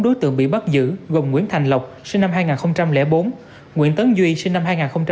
đối tượng bị bắt giữ gồm nguyễn thành lộc sinh năm hai nghìn bốn nguyễn tấn duy sinh năm hai nghìn